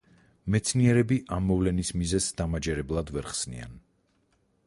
მეცნიერები ამ მოვლენის მიზეზს დამაჯერებლად ვერ ხსნიან.